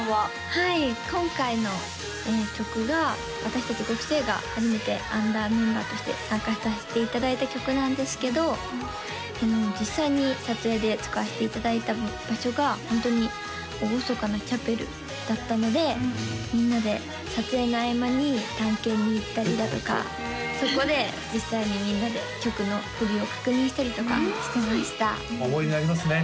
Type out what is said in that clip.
はい今回の曲が私達５期生が初めてアンダーメンバーとして参加させていただいた曲なんですけど実際に撮影で使わせていただいた場所がホントに厳かなチャペルだったのでみんなで撮影の合間に探検に行ったりだとかそこで実際にみんなで曲の振りを確認したりとかしてました思い出になりますね